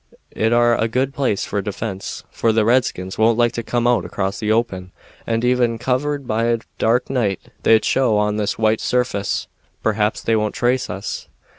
It are a good place for defense, for the redskins won't like to come out across the open, and, even covered by a dark night, they'd show on this white surface." "Perhaps they won't trace us."